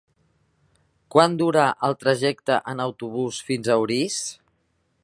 Quant dura el trajecte en autobús fins a Orís?